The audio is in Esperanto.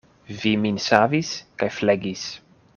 Vi min savis kaj flegis.